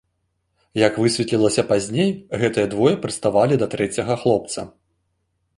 Як высветлілася пазней, гэтыя двое прыставалі да трэцяга хлопца.